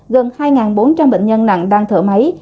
gần hai bốn trăm linh bệnh nhân nặng đang thở máy